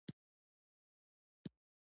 ستا زخمونه مې ګنډلي